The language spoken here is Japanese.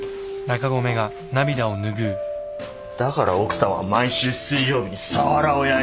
だから奥さんは毎週水曜日にサワラを焼いた。